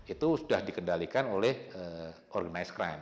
itu sudah dikendalikan oleh organized crime